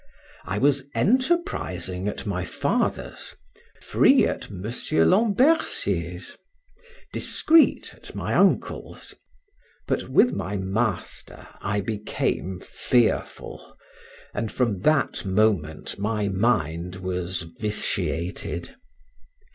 I was enterprising at my father's, free at Mr. Lambercier's, discreet at my uncle's; but, with my master, I became fearful, and from that moment my mind was vitiated.